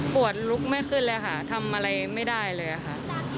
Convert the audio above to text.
ลุกไม่ขึ้นเลยค่ะทำอะไรไม่ได้เลยค่ะ